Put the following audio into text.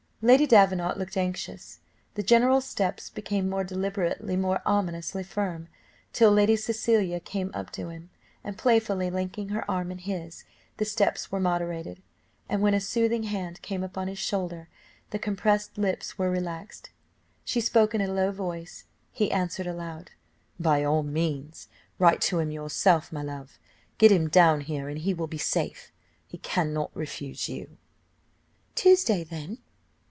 Lady Davenant looked anxious, the general's steps became more deliberately, more ominously firm; till lady Cecilia came up to him, and playfully linking her arm in his, the steps were moderated, and when a soothing hand came upon his shoulder, the compressed lips were relaxed she spoke in a low voice he answered aloud. "By all means! write to him yourself, my love; get him down here and he will be safe; he cannot refuse you." "Tuesday, then?"